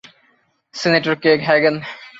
Senator Kay Hagan.